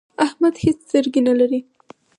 احمد هيڅ سترګې نه لري.